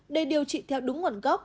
để điều trị theo đúng nguồn gốc